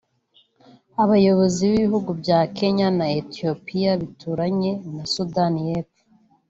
Abayobozi b’ibihugu bya Kenya na Ethiopia bituranye na Sudani y’Epfo